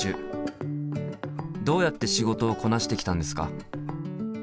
どうやって仕事をこなしてきたんですか？